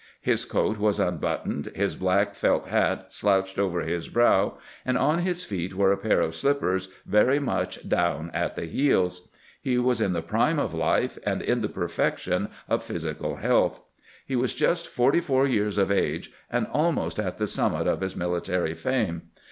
His coat was unbuttoned, his black felt hat slouched over his brow, and on his feet were a pair of slippers very much down at the heels. He was in the prime of life and in the perfection of physical health. 19 290 CAMPAIGNING WITH GKANT He was just forty four years of age, and almost at the summit of his military fame.